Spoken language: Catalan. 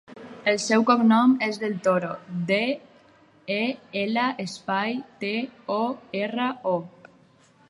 El seu cognom és Del Toro: de, e, ela, espai, te, o, erra, o.